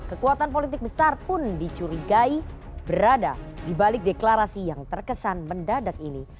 kekuatan politik besar pun dicurigai berada di balik deklarasi yang terkesan mendadak ini